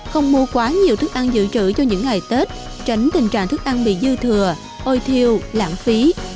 không mua quá nhiều thức ăn dự trữ cho những ngày tết tránh tình trạng thức ăn bị dư thừa ôi thiêu lãng phí